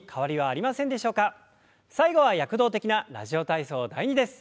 最後は躍動的な「ラジオ体操第２」です。